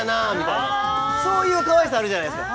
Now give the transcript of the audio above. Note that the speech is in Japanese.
そういうかわいさあるじゃないですか。